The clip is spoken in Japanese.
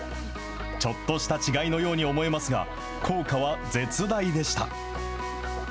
ちょっとした違いのように思えますが、効果は絶大でした。